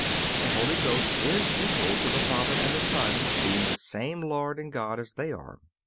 A. The Holy Ghost is equal to the Father and the Son, being the same Lord and God as They are.